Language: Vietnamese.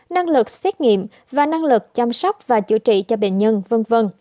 năng lực xét nghiệm và năng lực chăm sóc và chữa trị cho bệnh nhân v v